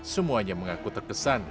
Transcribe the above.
semuanya mengaku terkesan